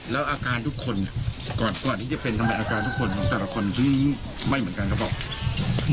แล้วอาการทุกคนก่อนที่จะเป็นทำไมอาการทุกคนของแต่ละคนซึ่งไม่เหมือนกันเขาบอก